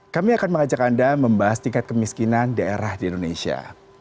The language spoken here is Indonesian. kami akan mengajak anda membahas tingkat kemiskinan daerah di indonesia